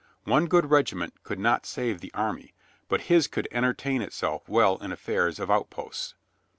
One good regiment could not save the army, but his could entertain itself well in affairs of outposts.